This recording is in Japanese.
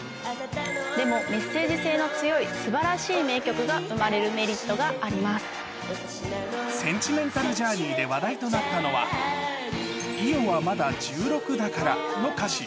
でもメッセージ性の強いすばらしい名曲が生まれるメリットがありセンチメンタル・ジャーニーで話題となったのは、伊代はまだ１６だからの歌詞。